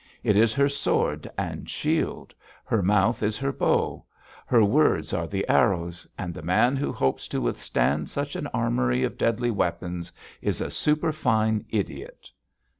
It is her sword and shield; her mouth is her bow; her words are the arrows; and the man who hopes to withstand such an armoury of deadly weapons is a superfine idiot.